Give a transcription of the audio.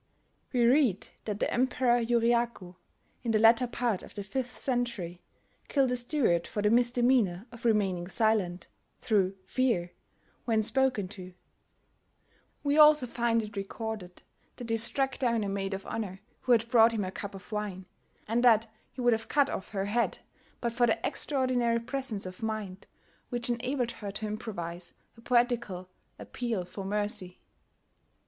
We read that the Emperor Yuriaku, in the latter part of the fifth century, killed a steward for the misdemeanour of remaining silent, through fear, when spoken to: we also find it recorded that he struck down a maid of honour who had brought him a cup of wine, and that he would have cut off her head but for the extraordinary presence of mind which enabled her to improvise a poetical appeal for mercy.